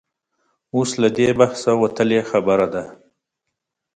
اوس له دې بحثه وتلې خبره ده.